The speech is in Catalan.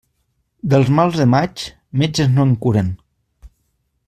Dels mals de maig, metges no en curen.